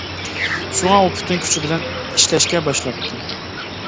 شۇڭا ئۇ پۈتۈن كۈچى بىلەن ئىشلەشكە باشلاپتۇ.